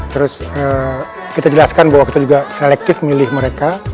terus kita jelaskan bahwa kita juga selektif milih mereka